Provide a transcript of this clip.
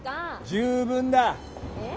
十分だッ。